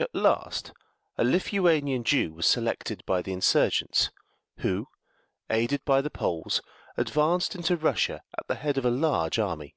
At last a Lithuanian Jew was selected by the insurgents, who, aided by the Poles, advanced into Russia at the head of a large army.